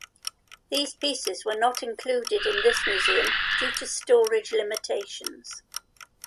These pieces were not included in this museum due to storage limitations.